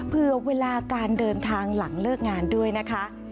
เผื่อเวลาการเดินทางหลังเลิกงานด้วยนะคะ